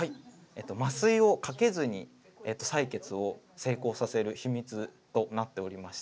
麻酔をかけずに採血を成功させる秘密となっておりまして。